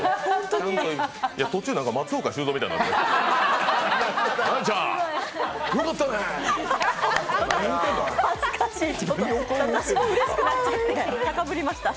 途中松岡修造みたいになってた。